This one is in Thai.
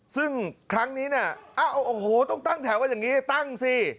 ซึ่งครั้งนี้เนี่ยโอ้โหต้องตั้งแถวกันอย่างนี้ตั้งสิ